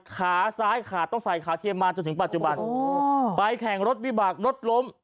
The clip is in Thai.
ขาซ้ายขาดต้องใส่ขาเทียมมาจนถึงปัจจุบันไปแข่งรถวิบากรถล้ม